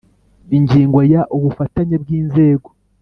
Ingingo ya ubufatanye bw inzego